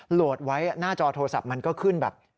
โหลดไว้หน้าจอโทรศัพท์มันก็ขึ้นแบบ